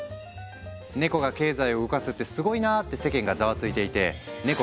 ネコが経済を動かすってすごいなって世間がざわついていてネコ